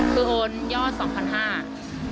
คือโอนยอด๒๕๐๐บาท